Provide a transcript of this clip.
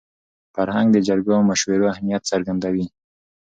فرهنګ د جرګو او مشورو اهمیت څرګندوي.